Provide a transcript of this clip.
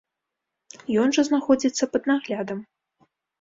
Ён жа знаходзіцца пад наглядам.